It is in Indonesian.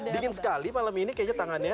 dingin sekali malam ini kayaknya tangannya